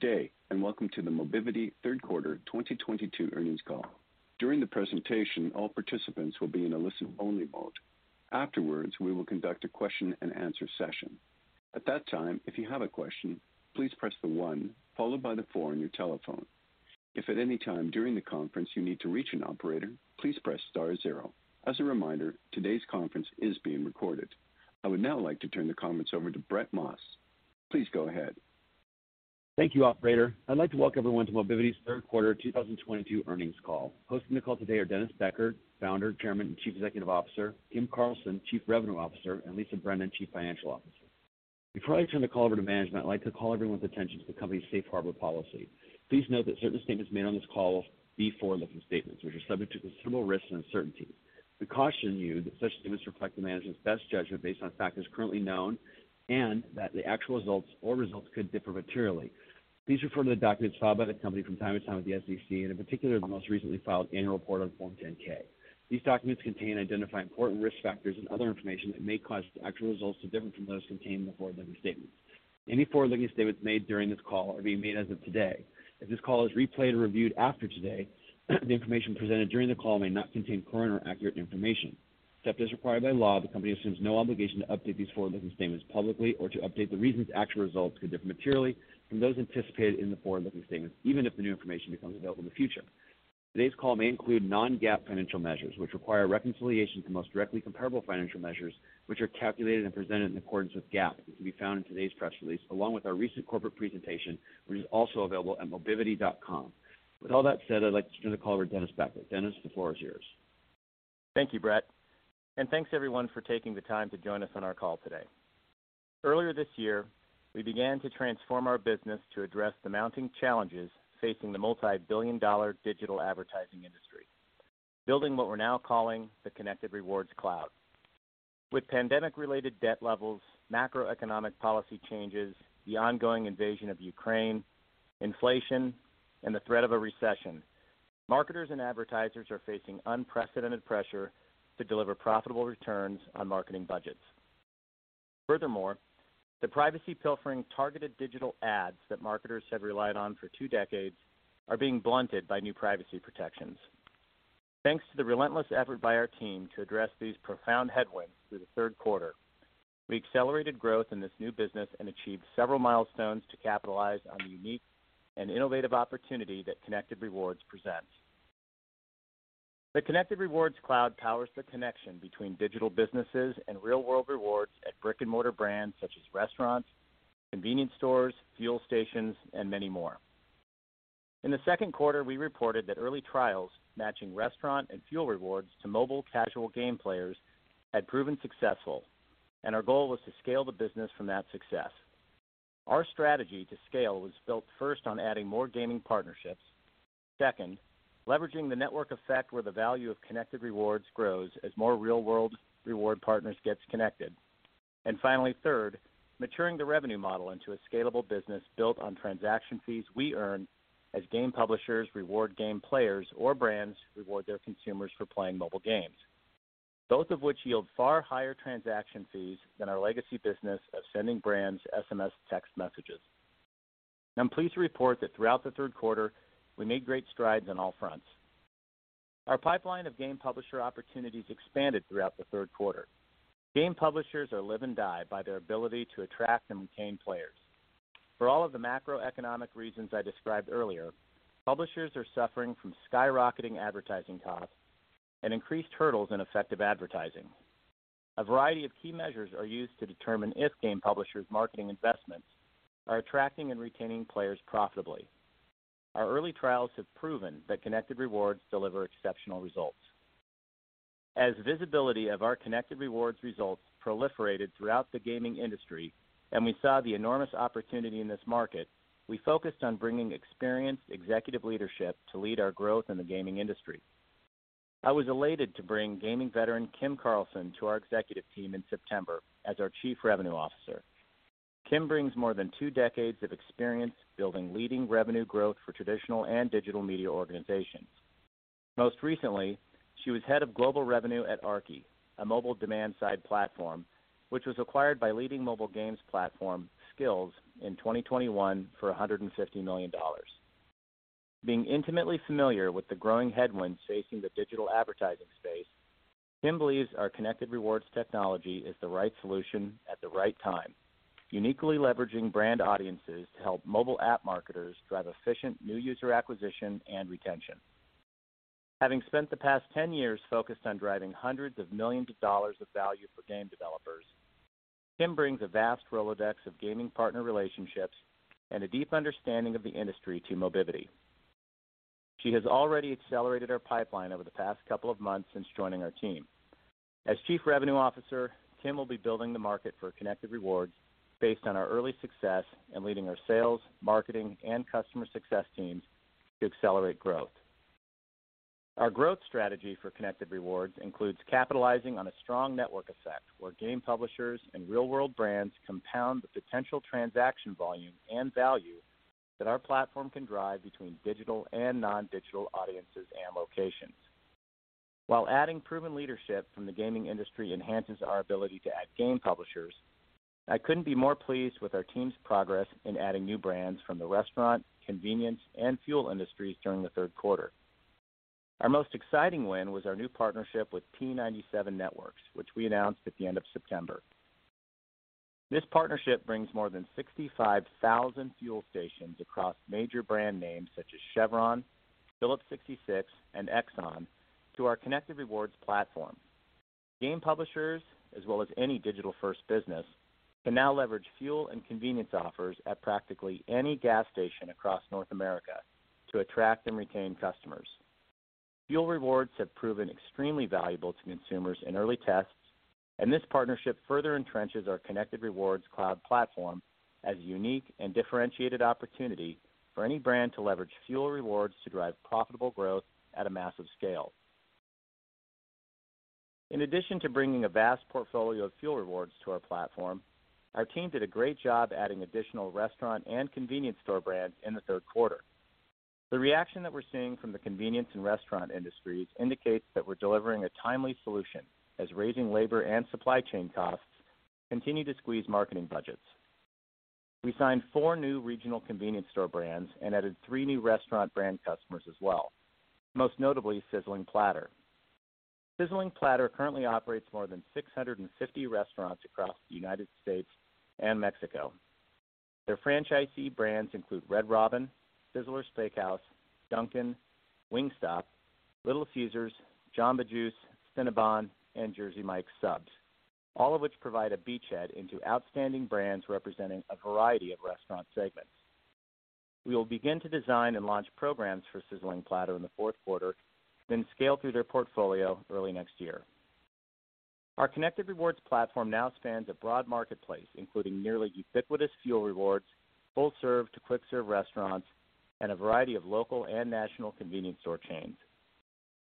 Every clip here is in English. Good day, and welcome to the Mobivity third quarter 2022 earnings call. During the presentation, all participants will be in a listen only mode. Afterwards, we will conduct a question and answer session. At that time, if you have a question, please press the 1 followed by the 4 on your telephone. If at any time during the conference you need to reach an operator, please press star 0. As a reminder, today's conference is being recorded. I would now like to turn the comments over to Brett Maas. Please go ahead. Thank you, operator. I'd like to welcome everyone to Mobivity's third quarter 2022 earnings call. Hosting the call today are Dennis Becker, Founder, Chairman, and Chief Executive Officer, Kim Carlson, Chief Revenue Officer, and Lisa Brennan, Chief Financial Officer. Before I turn the call over to management, I'd like to call everyone's attention to the company's Safe Harbor policy. Please note that certain statements made on this call will be forward-looking statements, which are subject to considerable risks and uncertainty. We caution you that such statements reflect the management's best judgment based on factors currently known and that the actual results or results could differ materially. Please refer to the documents filed by the company from time to time with the SEC and in particular, the most recently filed annual report on Form 10-K. These documents contain and identify important risk factors and other information that may cause actual results to differ from those contained in the forward-looking statements. Any forward-looking statements made during this call are being made as of today. If this call is replayed or reviewed after today, the information presented during the call may not contain current or accurate information. Except as required by law, the company assumes no obligation to update these forward-looking statements publicly or to update the reasons actual results could differ materially from those anticipated in the forward-looking statements, even if new information becomes available in the future. Today's call may include non-GAAP financial measures, which require reconciliation to the most directly comparable financial measures, which are calculated and presented in accordance with GAAP, that can be found in today's press release, along with our recent corporate presentation, which is also available at mobivity.com. With all that said, I'd like to turn the call over to Dennis Becker. Dennis, the floor is yours. Thank you, Brett, and thanks everyone for taking the time to join us on our call today. Earlier this year, we began to transform our business to address the mounting challenges facing the multi-billion dollar digital advertising industry, building what we're now calling the Connected Rewards cloud. With pandemic-related debt levels, macroeconomic policy changes, the ongoing invasion of Ukraine, inflation, and the threat of a recession, marketers and advertisers are facing unprecedented pressure to deliver profitable returns on marketing budgets. Furthermore, the privacy pilfering targeted digital ads that marketers have relied on for two decades are being blunted by new privacy protections. Thanks to the relentless effort by our team to address these profound headwinds through the third quarter, we accelerated growth in this new business and achieved several milestones to capitalize on the unique and innovative opportunity that Connected Rewards presents. The Connected Rewards cloud powers the connection between digital businesses and real-world rewards at brick-and-mortar brands such as restaurants, convenience stores, fuel stations, and many more. In the second quarter, we reported that early trials matching restaurant and fuel rewards to mobile casual game players had proven successful, and our goal was to scale the business from that success. Our strategy to scale was built first on adding more gaming partnerships. Second, leveraging the network effect where the value of Connected Rewards grows as more real-world reward partners gets connected. Finally, third, maturing the revenue model into a scalable business built on transaction fees we earn as game publishers reward game players or brands reward their consumers for playing mobile games, both of which yield far higher transaction fees than our legacy business of sending brands SMS text messages. I'm pleased to report that throughout the third quarter, we made great strides on all fronts. Our pipeline of game publisher opportunities expanded throughout the third quarter. Game publishers live and die by their ability to attract and retain players. For all of the macroeconomic reasons I described earlier, publishers are suffering from skyrocketing advertising costs and increased hurdles in effective advertising. A variety of key measures are used to determine if game publishers' marketing investments are attracting and retaining players profitably. Our early trials have proven that Connected Rewards deliver exceptional results. As visibility of our Connected Rewards results proliferated throughout the gaming industry and we saw the enormous opportunity in this market, we focused on bringing experienced executive leadership to lead our growth in the gaming industry. I was elated to bring gaming veteran Kim Carlson to our executive team in September as our Chief Revenue Officer. Kim brings more than two decades of experience building leading revenue growth for traditional and digital media organizations. Most recently, she was head of global revenue at Aarki, a mobile demand-side platform, which was acquired by leading mobile games platform Skillz in 2021 for $150 million. Being intimately familiar with the growing headwinds facing the digital advertising space, Kim believes our Connected Rewards technology is the right solution at the right time, uniquely leveraging brand audiences to help mobile app marketers drive efficient new user acquisition and retention. Having spent the past 10 years focused on driving hundreds of millions of dollars of value for game developers, Kim brings a vast Rolodex of gaming partner relationships and a deep understanding of the industry to Mobivity. She has already accelerated our pipeline over the past couple of months since joining our team. As Chief Revenue Officer, Kim will be building the market for Connected Rewards based on our early success in leading our sales, marketing, and customer success teams to accelerate growth. Our growth strategy for Connected Rewards includes capitalizing on a strong network effect, where game publishers and real-world brands compound the potential transaction volume and value that our platform can drive between digital and non-digital audiences and locations. While adding proven leadership from the gaming industry enhances our ability to add game publishers, I couldn't be more pleased with our team's progress in adding new brands from the restaurant, convenience, and fuel industries during the third quarter. Our most exciting win was our new partnership with P97 Networks, which we announced at the end of September. This partnership brings more than 65,000 fuel stations across major brand names such as Chevron, Phillips 66, and Exxon to our Connected Rewards platform. Game publishers, as well as any digital-first business, can now leverage fuel and convenience offers at practically any gas station across North America to attract and retain customers. Fuel rewards have proven extremely valuable to consumers in early tests, and this partnership further entrenches our Connected Rewards cloud platform as a unique and differentiated opportunity for any brand to leverage fuel rewards to drive profitable growth at a massive scale. In addition to bringing a vast portfolio of fuel rewards to our platform, our team did a great job adding additional restaurant and convenience store brands in the third quarter. The reaction that we're seeing from the convenience and restaurant industries indicates that we're delivering a timely solution as raising labor and supply chain costs continue to squeeze marketing budgets. We signed 4 new regional convenience store brands and added 3 new restaurant brand customers as well, most notably Sizzling Platter. Sizzling Platter currently operates more than 650 restaurants across the United States and Mexico. Their franchisee brands include Red Robin, Sizzler Steakhouse, Dunkin', Wingstop, Little Caesars, Jamba Juice, Cinnabon, and Jersey Mike's Subs, all of which provide a beachhead into outstanding brands representing a variety of restaurant segments. We will begin to design and launch programs for Sizzling Platter in the fourth quarter, then scale through their portfolio early next year. Our Connected Rewards platform now spans a broad marketplace, including nearly ubiquitous fuel rewards, full-serve to quick-serve restaurants, and a variety of local and national convenience store chains.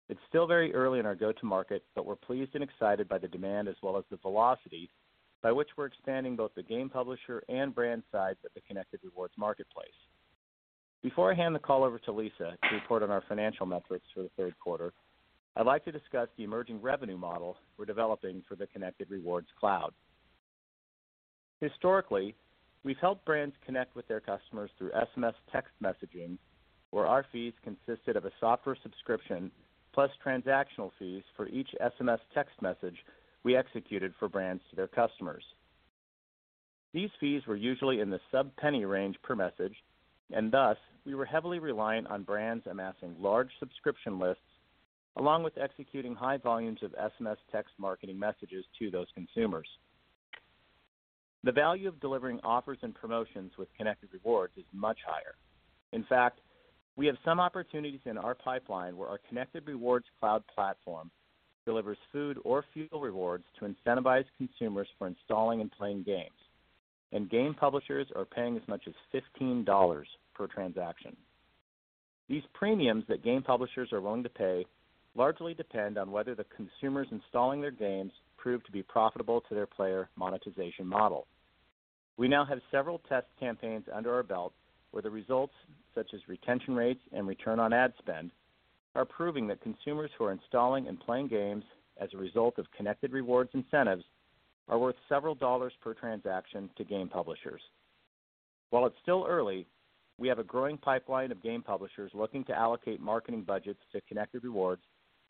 It's still very early in our go-to-market, but we're pleased and excited by the demand as well as the velocity by which we're expanding both the game publisher and brand size of the Connected Rewards marketplace. Before I hand the call over to Lisa to report on our financial metrics for the third quarter, I'd like to discuss the emerging revenue model we're developing for the Connected Rewards cloud. Historically, we've helped brands connect with their customers through SMS text messaging, where our fees consisted of a software subscription plus transactional fees for each SMS text message we executed for brands to their customers. These fees were usually in the sub-penny range per message, and thus, we were heavily reliant on brands amassing large subscription lists, along with executing high volumes of SMS text marketing messages to those consumers. The value of delivering offers and promotions with Connected Rewards is much higher. In fact, we have some opportunities in our pipeline where our Connected Rewards cloud platform delivers food or fuel rewards to incentivize consumers for installing and playing games, and game publishers are paying as much as $15 per transaction. These premiums that game publishers are willing to pay largely depend on whether the consumers installing their games prove to be profitable to their player monetization model. We now have several test campaigns under our belt where the results, such as retention rates and return on ad spend, are proving that consumers who are installing and playing games as a result of Connected Rewards incentives are worth several dollars per transaction to game publishers. While it's still early, we have a growing pipeline of game publishers looking to allocate marketing budgets to Connected Rewards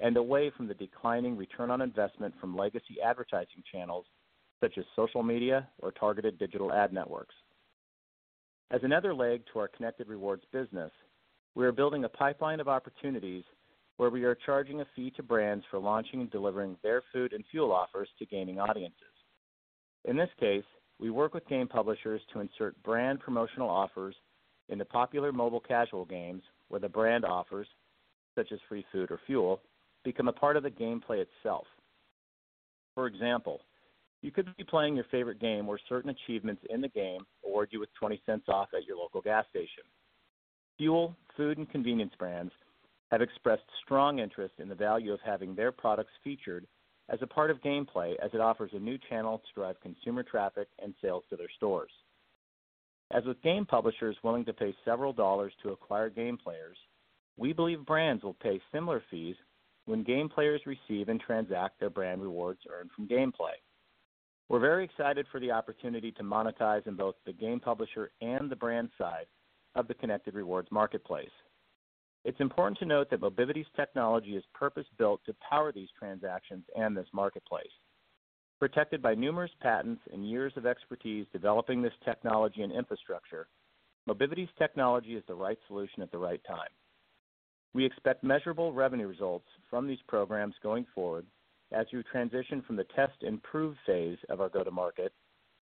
and away from the declining return on investment from legacy advertising channels such as social media or targeted digital ad networks. As another leg to our Connected Rewards business, we are building a pipeline of opportunities where we are charging a fee to brands for launching and delivering their food and fuel offers to gaming audiences. In this case, we work with game publishers to insert brand promotional offers into popular mobile casual games where the brand offers, such as free food or fuel, become a part of the gameplay itself. For example, you could be playing your favorite game where certain achievements in the game award you with $0.20 off at your local gas station. Fuel, food, and convenience brands have expressed strong interest in the value of having their products featured as a part of gameplay as it offers a new channel to drive consumer traffic and sales to their stores. As with game publishers willing to pay several dollars to acquire game players, we believe brands will pay similar fees when game players receive and transact their brand rewards earned from gameplay. We're very excited for the opportunity to monetize in both the game publisher and the brand side of the Connected Rewards marketplace. It's important to note that Mobivity's technology is purpose-built to power these transactions and this marketplace. Protected by numerous patents and years of expertise developing this technology and infrastructure, Mobivity's technology is the right solution at the right time. We expect measurable revenue results from these programs going forward as we transition from the test improve phase of our go-to-market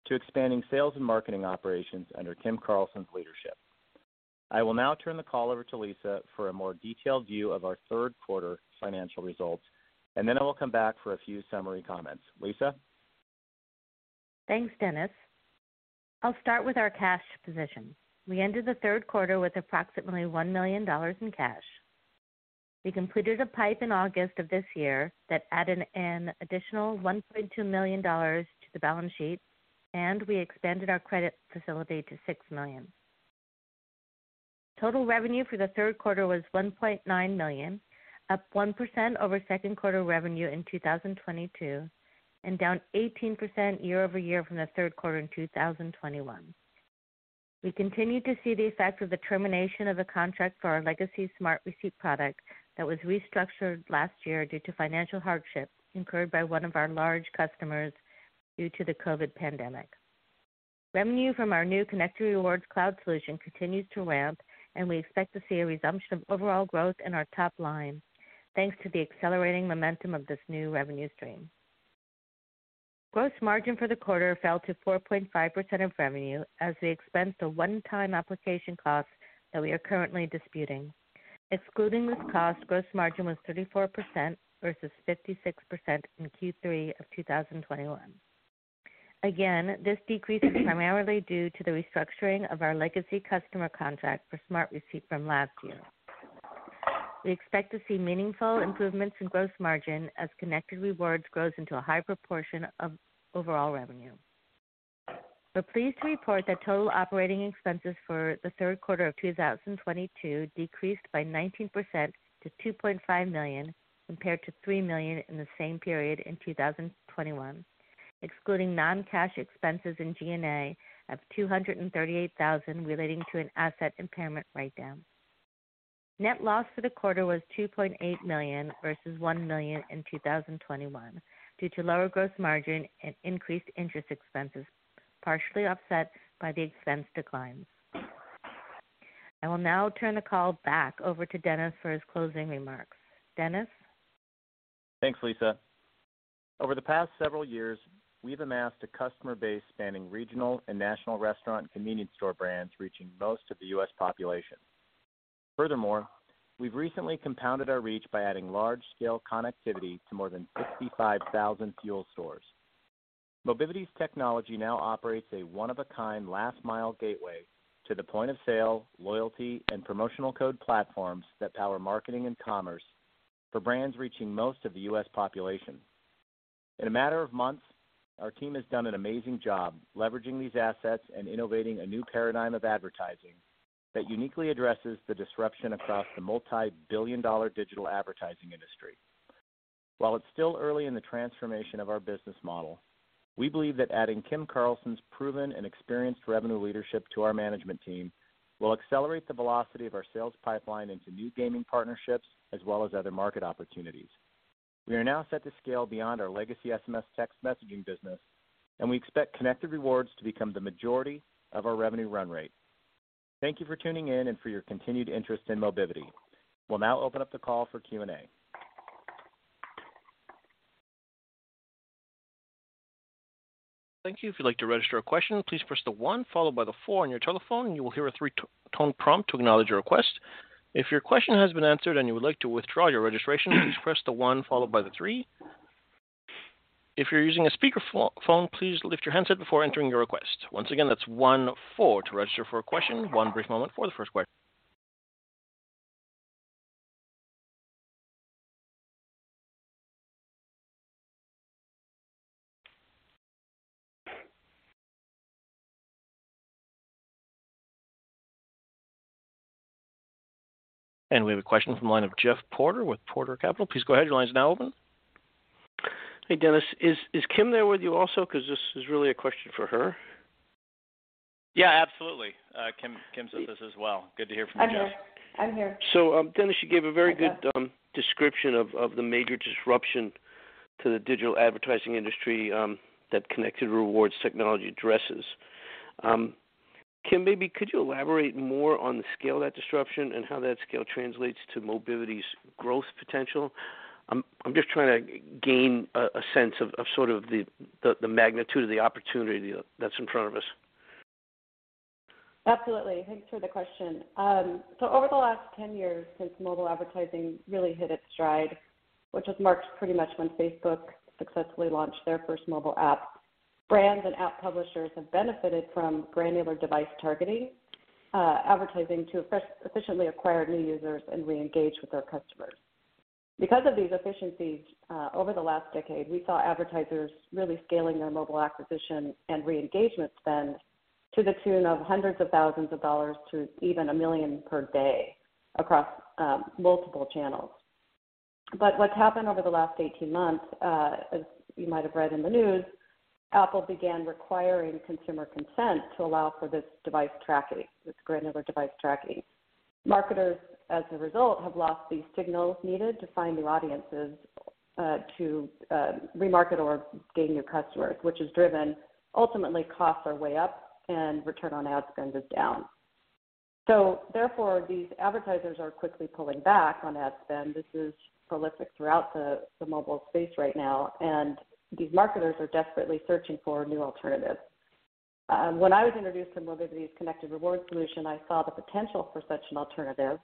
to expanding sales and marketing operations under Kim Carlson's leadership. I will now turn the call over to Lisa for a more detailed view of our third quarter financial results, and then I will come back for a few summary comments. Lisa? Thanks, Dennis. I'll start with our cash position. We ended the third quarter with approximately $1 million in cash. We completed a PIPE in August of this year that added an additional $1.2 million to the balance sheet, and we expanded our credit facility to $6 million. Total revenue for the third quarter was $1.9 million, up 1% over second quarter revenue in 2022, and down 18% year-over-year from the third quarter in 2021. We continued to see the effects of the termination of a contract for our legacy SmartReceipt product that was restructured last year due to financial hardship incurred by one of our large customers due to the COVID pandemic. Revenue from our new Connected Rewards cloud solution continues to ramp, and we expect to see a resumption of overall growth in our top line thanks to the accelerating momentum of this new revenue stream. Gross margin for the quarter fell to 4.5% of revenue as we expensed a one-time application cost that we are currently disputing. Excluding this cost, gross margin was 34% versus 56% in Q3 of 2021. Again, this decrease is primarily due to the restructuring of our legacy customer contract for SmartReceipt from last year. We expect to see meaningful improvements in gross margin as Connected Rewards grows into a high proportion of overall revenue. We're pleased to report that total operating expenses for the third quarter of 2022 decreased by 19% to $2.5 million, compared to $3 million in the same period in 2021, excluding non-cash expenses in G&A of $238,000 relating to an asset impairment write-down. Net loss for the quarter was $2.8 million versus $1 million in 2021 due to lower gross margin and increased interest expenses, partially offset by the expense declines. I will now turn the call back over to Dennis for his closing remarks. Dennis? Thanks, Lisa. Over the past several years, we've amassed a customer base spanning regional and national restaurant and convenience store brands reaching most of the U.S. population. Furthermore, we've recently compounded our reach by adding large-scale connectivity to more than 65,000 fuel stores. Mobivity's technology now operates a one-of-a-kind last mile gateway to the point of sale, loyalty, and promotional code platforms that power marketing and commerce for brands reaching most of the U.S. population. In a matter of months, our team has done an amazing job leveraging these assets and innovating a new paradigm of advertising that uniquely addresses the disruption across the multi-billion dollar digital advertising industry. While it's still early in the transformation of our business model, we believe that adding Kim Carlson's proven and experienced revenue leadership to our management team will accelerate the velocity of our sales pipeline into new gaming partnerships as well as other market opportunities. We are now set to scale beyond our legacy SMS text messaging business, and we expect Connected Rewards to become the majority of our revenue run rate. Thank you for tuning in and for your continued interest in Mobivity. We'll now open up the call for Q&A. Thank you. If you'd like to register a question, please press the 1 followed by the 4 on your telephone, and you will hear a three-tone prompt to acknowledge your request. If your question has been answered and you would like to withdraw your registration, please press the 1 followed by the 3. If you're using a speakerphone, please lift your handset before entering your request. Once again, that's 1 4 to register for a question. One brief moment for the first question. We have a question from the line of Jeff Porter with Porter Capital. Please go ahead. Your line is now open. Hey, Dennis. Is Kim there with you also? Because this is really a question for her. Yeah, absolutely. Kim's with us as well. Good to hear from you, Jeff. I'm here. Dennis, you gave a very good description of the major disruption to the digital advertising industry that Connected Rewards technology addresses. Kim, maybe could you elaborate more on the scale of that disruption and how that scale translates to Mobivity's growth potential? I'm just trying to gain a sense of sort of the magnitude of the opportunity that's in front of us. Absolutely. Thanks for the question. Over the last 10 years, since mobile advertising really hit its stride, which was marked pretty much when Facebook successfully launched their first mobile app, brands and app publishers have benefited from granular device targeting, advertising to efficiently acquire new users and reengage with their customers. Because of these efficiencies, over the last decade, we saw advertisers really scaling their mobile acquisition and reengagement spend to the tune of hundreds of thousands of dollars to even $1 million per day across multiple channels. What's happened over the last 18 months, as you might have read in the news, Apple began requiring consumer consent to allow for this device tracking, this granular device tracking. Marketers, as a result, have lost these signals needed to find new audiences, to remarket or gain new customers, which has driven ultimately costs are way up and Return on Ad Spend is down. Therefore, these advertisers are quickly pulling back on ad spend. This is prolific throughout the mobile space right now, and these marketers are desperately searching for new alternatives. When I was introduced to Mobivity's Connected Rewards solution, I saw the potential for such an alternative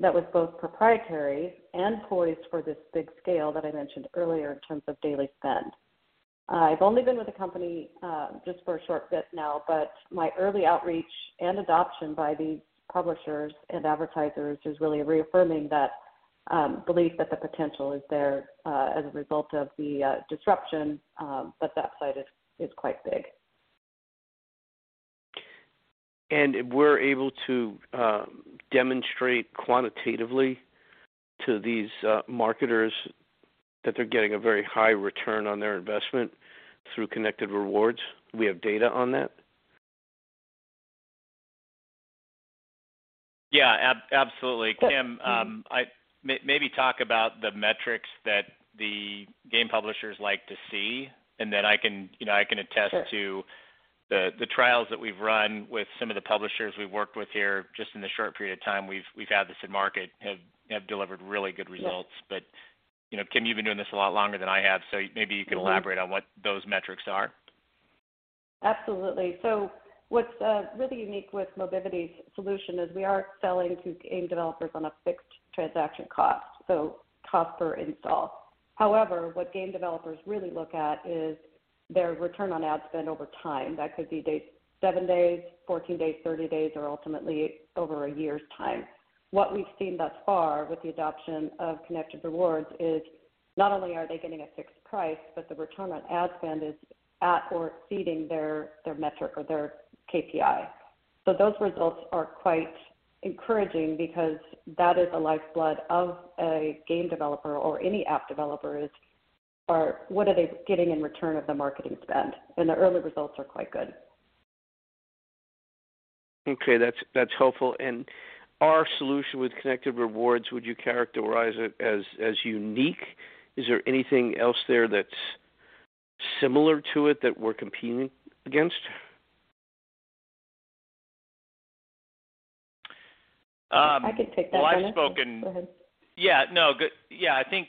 that was both proprietary and poised for this big scale that I mentioned earlier in terms of daily spend. I've only been with the company just for a short bit now, but my early outreach and adoption by these publishers and advertisers is really reaffirming that belief that the potential is there as a result of the disruption, but that site is quite big. We're able to demonstrate quantitatively to these marketers that they're getting a very high return on their investment through Connected Rewards. We have data on that? Yeah. Absolutely. Kim, maybe talk about the metrics that the game publishers like to see, and then I can, you know, I can attest to- Sure. The trials that we've run with some of the publishers we've worked with here, just in the short period of time we've had this in market, have delivered really good results. Yeah. You know, Kim, you've been doing this a lot longer than I have, so maybe you can elaborate on what those metrics are. Absolutely. What's really unique with Mobivity's solution is we are selling to game developers on a fixed transaction cost, so cost per install. However, what game developers really look at is their return on ad spend over time. That could be days, 7 days, 14 days, 30 days, or ultimately over a year's time. What we've seen thus far with the adoption of Connected Rewards is not only are they getting a fixed price, but the return on ad spend is at or exceeding their metric or their KPI. Those results are quite encouraging because that is the lifeblood of a game developer or any app developer, what are they getting in return of the marketing spend. The early results are quite good. Okay, that's helpful. Our solution with Connected Rewards, would you characterize it as unique? Is there anything else there that's similar to it that we're competing against? I can take that, Dennis. Well, I've spoken. Go ahead. Yeah, no. Good. Yeah, I think.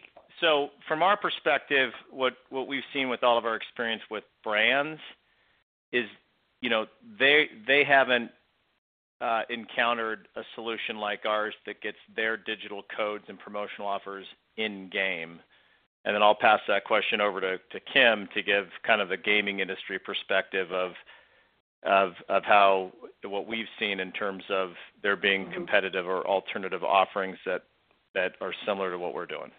From our perspective, what we've seen with all of our experience with brands is, you know, they haven't encountered a solution like ours that gets their digital codes and promotional offers in-game. Then I'll pass that question over to Kim to give kind of the gaming industry perspective of how what we've seen in terms of there being competitive or alternative offerings that are similar to what we're doing.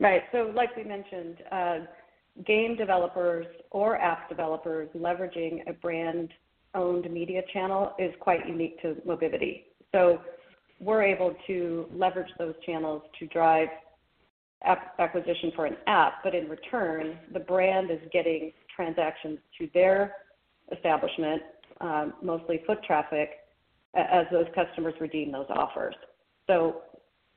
Right. Like we mentioned, game developers or app developers leveraging a brand-owned media channel is quite unique to Mobivity. We're able to leverage those channels to drive acquisition for an app, but in return, the brand is getting transactions to their establishment, mostly foot traffic, as those customers redeem those offers.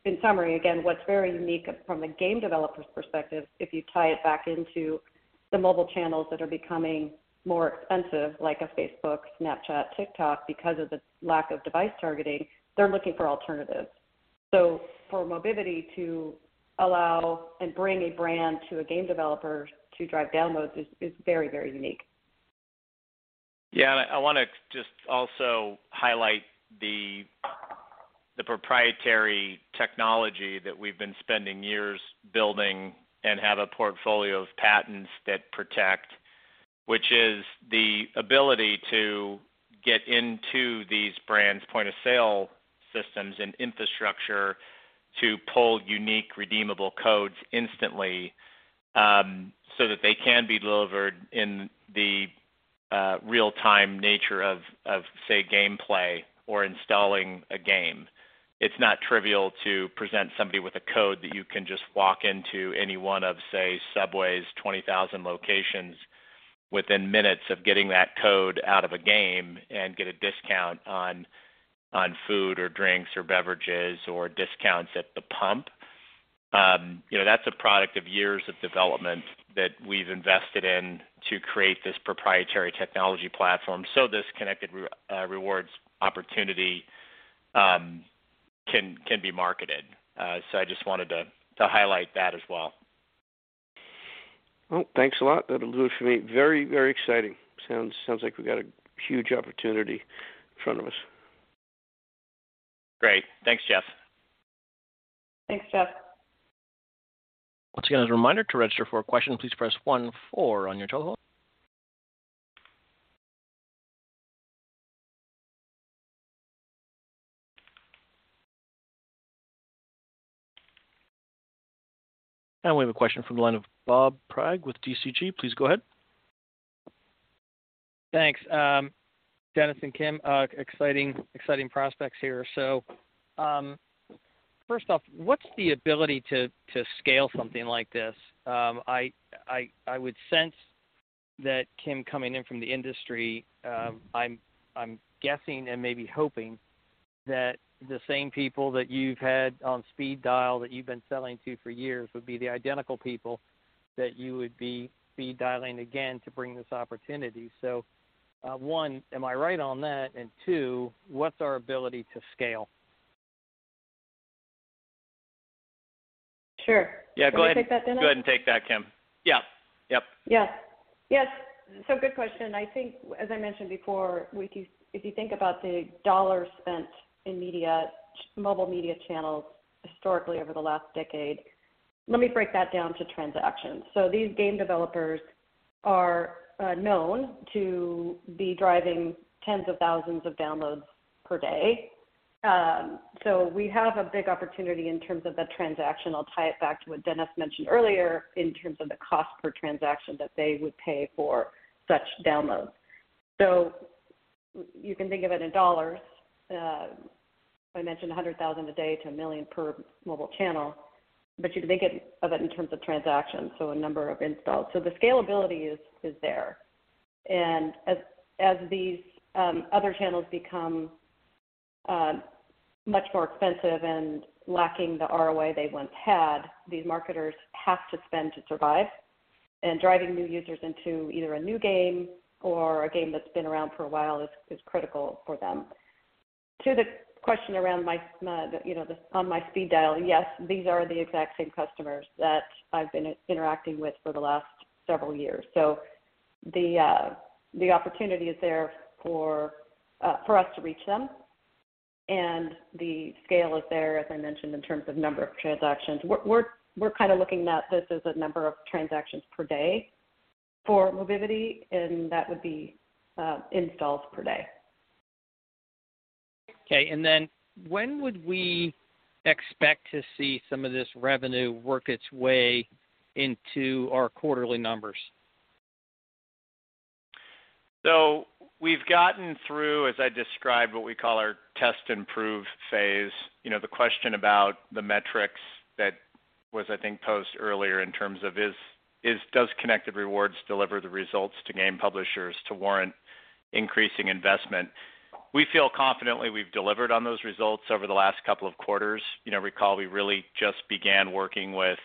In summary, again, what's very unique from a game developer's perspective, if you tie it back into the mobile channels that are becoming more expensive, like a Facebook, Snapchat, TikTok, because of the lack of device targeting, they're looking for alternatives. For Mobivity to allow and bring a brand to a game developer to drive downloads is very, very unique. Yeah. I wanna just also highlight the proprietary technology that we've been spending years building and have a portfolio of patents that protect, which is the ability to get into these brands' point of sale systems and infrastructure to pull unique redeemable codes instantly, so that they can be delivered in the real-time nature of, say, gameplay or installing a game. It's not trivial to present somebody with a code that you can just walk into any one of, say, Subway's 20,000 locations within minutes of getting that code out of a game and get a discount on food or drinks or beverages or discounts at the pump. You know, that's a product of years of development that we've invested in to create this proprietary technology platform so this Connected Rewards opportunity can be marketed. I just wanted to highlight that as well. Well, thanks a lot. That was for me, very, very exciting. Sounds like we've got a huge opportunity in front of us. Great. Thanks, Jeff. Thanks, Jeff. Once again, as a reminder, to register for a question, please press one four on your telephone. We have a question from the line of Robert B. Prag with DCG. Please go ahead. Thanks. Dennis and Kim, exciting prospects here. First off, what's the ability to scale something like this? I would sense that Kim coming in from the industry, I'm guessing and maybe hoping that the same people that you've had on speed dial that you've been selling to for years would be the identical people that you would be speed dialing again to bring this opportunity. One, am I right on that? Two, what's our ability to scale? Sure. Yeah, go ahead. Can I take that, Dennis? Go ahead and take that, Kim. Yeah. Yep. Yes. Yes. Good question. I think, as I mentioned before, if you think about the dollars spent in media, mobile media channels historically over the last decade, let me break that down to transactions. These game developers are known to be driving tens of thousands of downloads per day. We have a big opportunity in terms of the transaction. I'll tie it back to what Dennis mentioned earlier in terms of the cost per transaction that they would pay for such downloads. You can think of it in dollars. I mentioned 100,000 a day to 1 million per mobile channel, but you can think of it in terms of transactions, so a number of installs. The scalability is there. As these other channels become much more expensive and lacking the ROI they once had, these marketers have to spend to survive. Driving new users into either a new game or a game that's been around for a while is critical for them. To the question around my SMS. You know, on my speed dial, yes, these are the exact same customers that I've been interacting with for the last several years. The opportunity is there for us to reach them, and the scale is there, as I mentioned, in terms of number of transactions. We're kind of looking at this as a number of transactions per day for Mobivity, and that would be installs per day. Okay. When would we expect to see some of this revenue work its way into our quarterly numbers? We've gotten through, as I described, what we call our test and prove phase. You know, the question about the metrics that was, I think, posed earlier in terms of does Connected Rewards deliver the results to game publishers to warrant increasing investment. We feel confidently we've delivered on those results over the last couple of quarters. You know, recall we really just began working with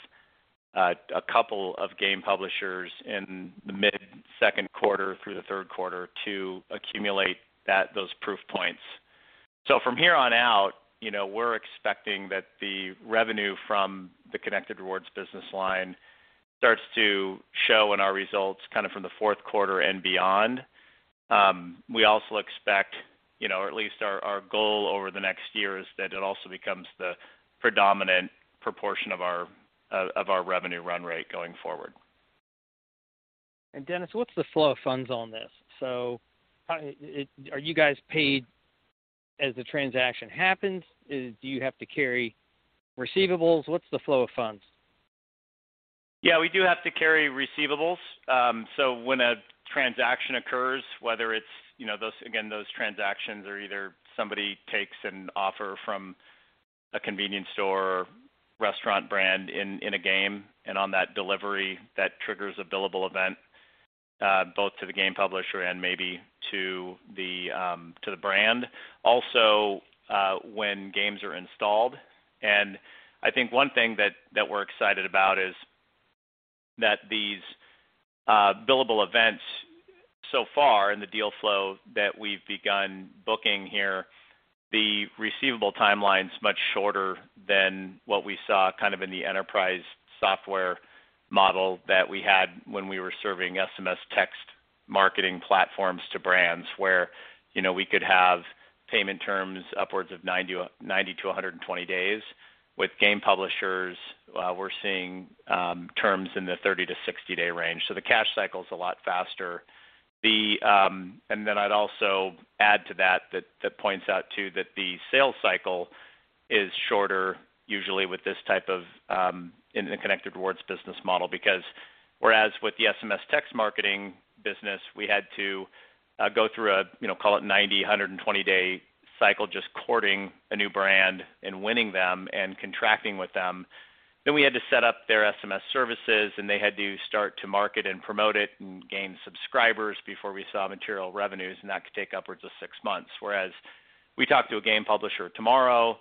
a couple of game publishers in the mid-second quarter through the third quarter to accumulate those proof points. From here on out, you know, we're expecting that the revenue from the Connected Rewards business line starts to show in our results kind of from the fourth quarter and beyond. We also expect, you know, or at least our goal over the next year is that it also becomes the predominant proportion of our revenue run rate going forward. Dennis, what's the flow of funds on this? How are you guys paid as the transaction happens? Do you have to carry receivables? What's the flow of funds? Yeah, we do have to carry receivables. So when a transaction occurs, whether it's, you know, those again, those transactions are either somebody takes an offer from a convenience store or restaurant brand in a game, and on that delivery, that triggers a billable event, both to the game publisher and maybe to the brand. Also, when games are installed. I think one thing that we're excited about is that these billable events so far in the deal flow that we've begun booking here, the receivable timeline's much shorter than what we saw kind of in the enterprise software model that we had when we were serving SMS text marketing platforms to brands where, you know, we could have payment terms upwards of 90 to 120 days. With game publishers, we're seeing terms in the 30- to 60-day range. The cash cycle is a lot faster. I'd also add to that that points out, too, that the sales cycle is shorter, usually, with this type of in the Connected Rewards business model. Because whereas with the SMS text marketing business, we had to go through a, you know, call it 90- to 120-day cycle just courting a new brand and winning them and contracting with them. We had to set up their SMS services, and they had to start to market and promote it and gain subscribers before we saw material revenues, and that could take upwards of six months. Whereas we talk to a game publisher tomorrow,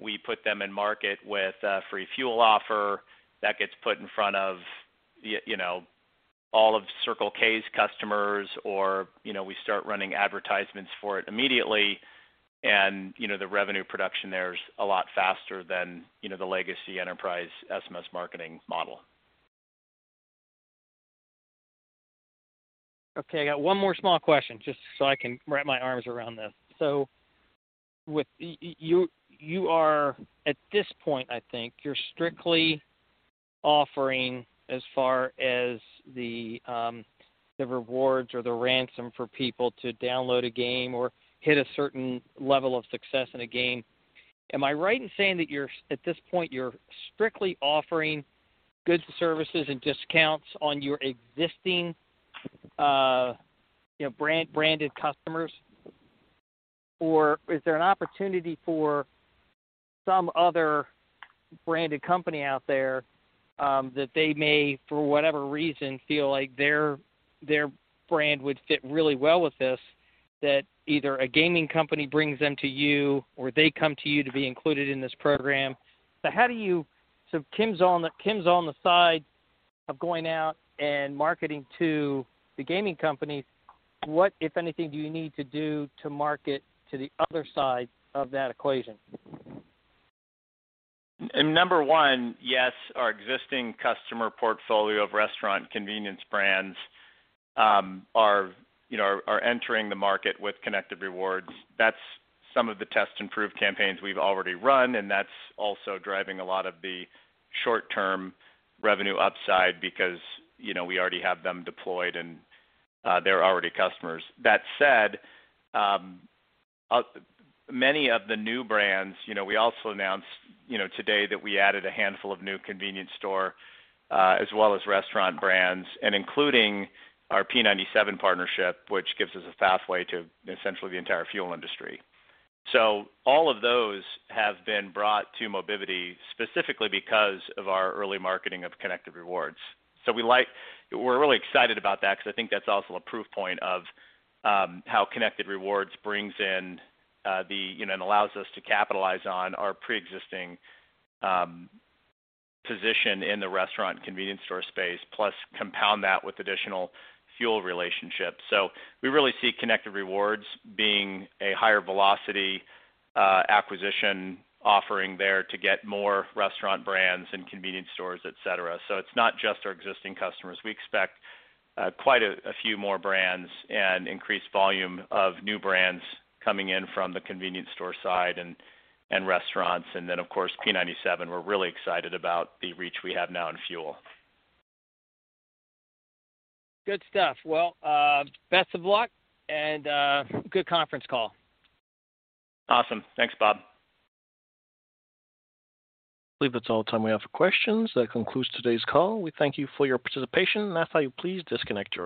we put them in market with a free fuel offer that gets put in front of the, you know, all of Circle K's customers or, you know, we start running advertisements for it immediately and, you know, the revenue production there is a lot faster than, you know, the legacy enterprise SMS marketing model. Okay. I got one more small question, just so I can wrap my arms around this. You are at this point, I think, you're strictly offering as far as the rewards or the ransom for people to download a game or hit a certain level of success in a game. Am I right in saying that you're at this point, you're strictly offering goods and services and discounts on your existing, you know, branded customers? Is there an opportunity for some other branded company out there that they may, for whatever reason, feel like their brand would fit really well with this, that either a gaming company brings them to you or they come to you to be included in this program. How do you Kim's on the side of going out and marketing to the gaming company. What, if anything, do you need to do to market to the other side of that equation? Number one, yes, our existing customer portfolio of restaurant convenience brands are, you know, entering the market with Connected Rewards. That's some of the test and prove campaigns we've already run, and that's also driving a lot of the short-term revenue upside because, you know, we already have them deployed and they're already customers. That said, many of the new brands, you know, we also announced, you know, today that we added a handful of new convenience store as well as restaurant brands, and including our P97 partnership, which gives us a pathway to essentially the entire fuel industry. All of those have been brought to Mobivity specifically because of our early marketing of Connected Rewards. We're really excited about that because I think that's also a proof point of how Connected Rewards brings in the, you know, and allows us to capitalize on our preexisting position in the restaurant convenience store space, plus compound that with additional fuel relationships. We really see Connected Rewards being a higher velocity acquisition offering there to get more restaurant brands and convenience stores, et cetera. It's not just our existing customers. We expect quite a few more brands and increased volume of new brands coming in from the convenience store side and restaurants. Of course, P97, we're really excited about the reach we have now in fuel. Good stuff. Well, best of luck and good conference call. Awesome. Thanks, Bob. I believe that's all the time we have for questions. That concludes today's call. We thank you for your participation. That's all. Please disconnect your lines.